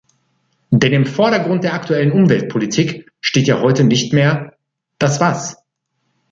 Denn im Vordergrund der aktuellen Umweltpolitik steht ja heute nicht mehr das Was.